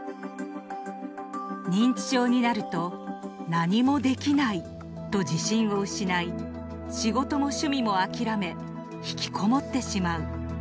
認知症になると何もできないと自信を失い仕事も趣味も諦め引きこもってしまう。